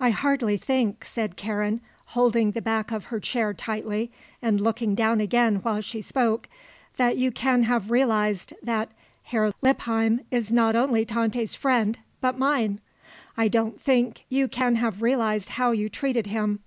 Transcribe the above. "I hardly think," said Karen, holding the back of her chair tightly and looking down again while she spoke, "that you can have realized that Herr Lippheim is not only Tante's friend, but mine. I don't think you can have realized how you treated him.